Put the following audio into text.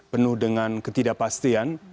penuh dengan ketidakpastian